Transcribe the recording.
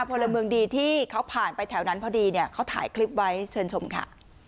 พลเมืองดีที่เขาผ่านไปแถวนั้นพอดีเนี่ยเขาถ่ายคลิปไว้เชิญชมค่ะ